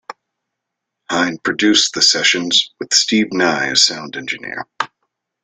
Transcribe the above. Hine produced the sessions, with Steve Nye as sound engineer.